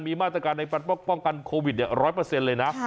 มีมาตรการในป้องกันโควิด๑๐๐เลยนะ